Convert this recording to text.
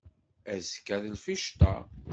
Azekka d lficṭa.